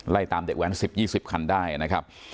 ตามเด็กแว้น๑๐๒๐คันได้นะครับ